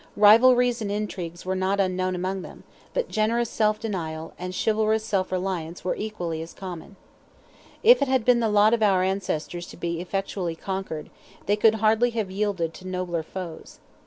Rivalries and intrigues were not unknown among them, but generous self denial, and chivalrous self reliance were equally as common. If it had been the lot of our ancestors to be effectually conquered, they could hardly have yielded to nobler foes.